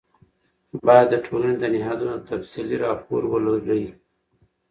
باید د ټولنې د نهادونو تفصیلي راپور ولرئ.